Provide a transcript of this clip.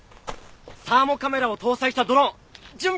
サーモカメラを搭載したドローン準備できたよ！